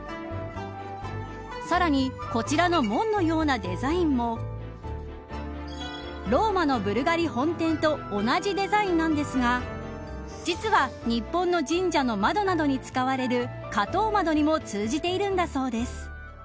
さらにこちらの門のようなデザインもローマのブルガリ本店と同じデザインなんですが実は日本の神社の窓などに使われる火灯窓にも通じているんだそうです。